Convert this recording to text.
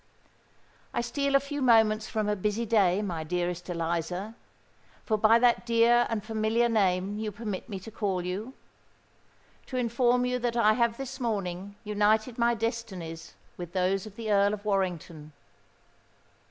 "I steal a few minutes from a busy day, my dearest Eliza,—for by that dear and familiar name you permit me to call you,—to inform you that I have this morning united my destinies with those of the Earl of Warrington.